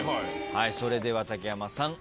それでは竹山さん